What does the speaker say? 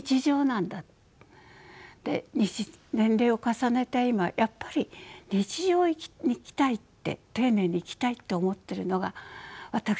年齢を重ねた今やっぱり日常を生きたいって丁寧に生きたいって思ってるのが私なんだ。